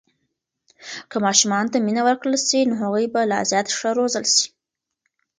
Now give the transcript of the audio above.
که ماشومانو ته مینه ورکړل سي، نو هغوی به لا زیات ښه روزل سي.